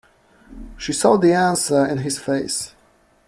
She saw the answer in his face.